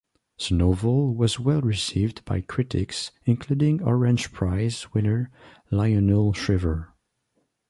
The novel was well received by critics including Orange Prize winner Lionel Shriver.